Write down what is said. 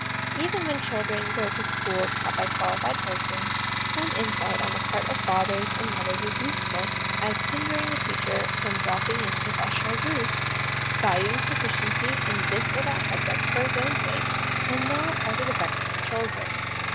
Even when children go to schools taught by quali fied persons, some insight on the part of fathers and mothers is useful as hindering the teacher from drop ping into professional grooves, valuing proficiency in this or that subject for its own sake, and not as it affects the children.